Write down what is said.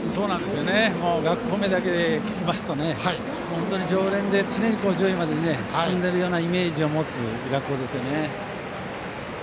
学校名だけ聞きますと常連で常に上位まで進んでいるようなイメージを持つ学校ですね。